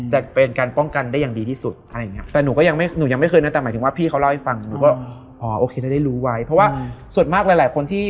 หนูก็แบบขนลุกเลยอะเพราะว่า